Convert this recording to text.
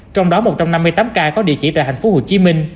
trong đó một trăm năm mươi tám ca có địa chỉ tại tp hcm